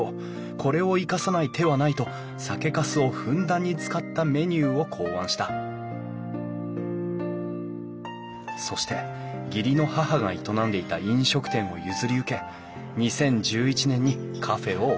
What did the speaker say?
これを生かさない手はないと酒かすをふんだんに使ったメニューを考案したそして義理の母が営んでいた飲食店を譲り受け２０１１年にカフェをオープン。